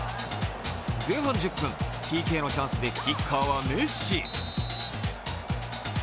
前半１０分、ＰＫのチャンスでキッカーはメッシ。